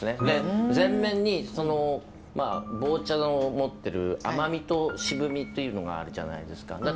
で前面にその棒茶の持ってる甘みと渋みっていうのがあるじゃないですか。